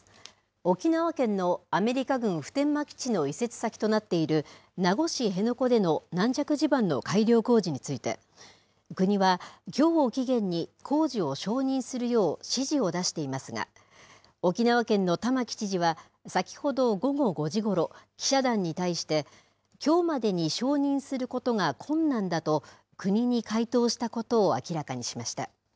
沖縄県のアメリカ軍普天間基地の移設先となっている名護市辺野古での軟弱地盤の改良工事について、国はきょうを期限に工事を承認するよう指示を出していますが、沖縄県の玉城知事は先ほど午後５時ごろ、記者団に対して、きょうまでに承認することが困難だと国に回答したことを明らかにしました。